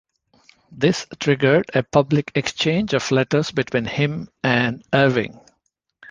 This triggered a public exchange of letters between him and Irving.